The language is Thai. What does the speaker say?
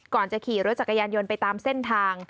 ก่อนจะขี่รถจักรยานยนต์ไปตามเส้นทาง